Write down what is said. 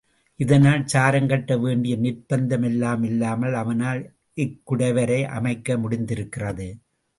இதனால் சாரம் கட்ட வேண்டிய நிர்ப்பந்தம் எல்லாம் இல்லாமல் அவனால் இக்குடைவரை அமைக்க முடிந்திருக்கிறது.